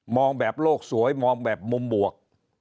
แบบโลกสวยมองแบบมุมบวก